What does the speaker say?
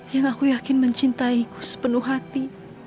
yang aku yakin mencintaiku sepenuh hati